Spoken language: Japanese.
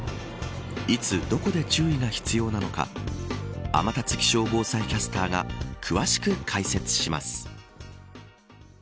いつ、どこで注意が必要なのか天達気象防災キャスターが詳しく解説します。